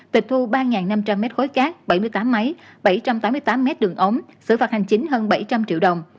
tịch thu ba năm trăm linh mét khối cát bảy mươi tám máy bảy trăm tám mươi tám mét đường ống xử phạt hành chính hơn bảy trăm linh triệu đồng